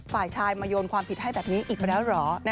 ฝ่ายชายมาโยนความผิดให้แบบนี้อีกมาแล้วเหรอ